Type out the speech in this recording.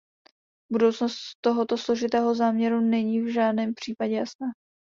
Budoucnost tohoto složitého záměru není v žádném případě jasná.